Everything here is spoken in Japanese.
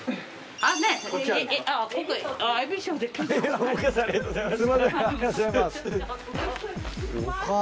ありがとうございます。